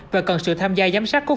và cần sự tham gia giám sát cố phủ